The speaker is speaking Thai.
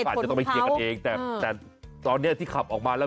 อาจจะต้องไปเจียงกันเองตอนเนี้ยที่ขับออกมาแล้ว